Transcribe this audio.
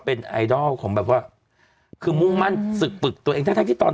เป็นไอดอลของแบบว่าคือมุ่งมั่นฝึกปรึกตัวเองทั้งทั้งที่ตอน